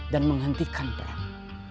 dan menghentikan perang